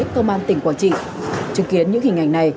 công an tỉnh quảng trị chứng kiến những hình ảnh này